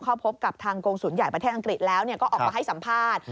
เข้าพบกับทางกรงศูนย์ใหญ่ประเทศอังกฤษแล้วก็ออกมาให้สัมภาษณ์